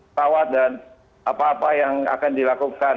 pesawat dan apa apa yang akan dilakukan